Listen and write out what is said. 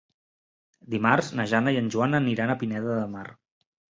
Dimarts na Jana i en Joan aniran a Pineda de Mar.